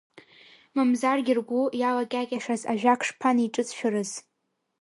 Мамзаргьы ргәы иалакьакьашаз ажәак шԥанеиҿыҵшәарыз!